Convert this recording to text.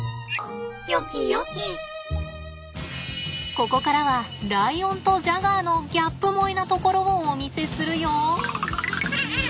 ここからはライオンとジャガーのギャップ萌えなところをお見せするよ。